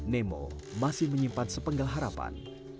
nemo masih menyimpan sepenggal harapan